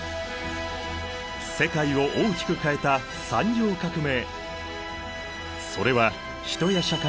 世界を大きく変えた産業革命。